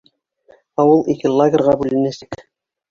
Ауыл ике лагерға бүленәсәк.